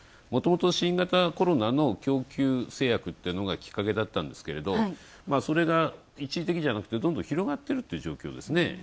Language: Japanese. もともと新型コロナの供給制約っていうのがきっかけだったんですけれど、それが一時的じゃなくてどんどん広がってるという状況ですね。